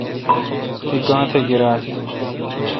تی گاتھ گیرال۔